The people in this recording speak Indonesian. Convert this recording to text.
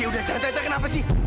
udah jangan tanya kenapa sih